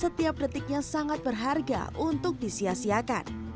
setiap detiknya sangat berharga untuk disiasiakan